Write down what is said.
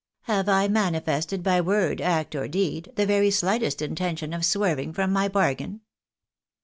Have I manifested by word, act, or deed, the very slightest intention of swerving from my bargain